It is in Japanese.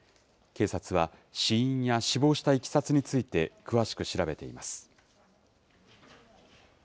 警察は、死因や死亡したいきさつについて、詳しく調べています。